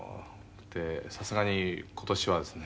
でさすがに今年はですね